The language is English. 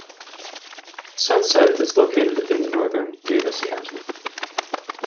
Sunset is located in northern Davis County.